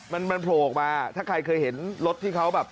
มันมันโผล่ออกมาถ้าใครเคยเห็นรถที่เขาแบบ